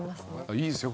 いいですよ。